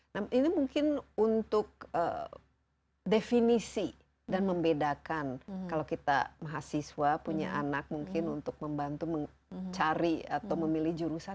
nah ini mungkin untuk definisi dan membedakan kalau kita mahasiswa punya anak mungkin untuk membantu mencari atau memilih jurusan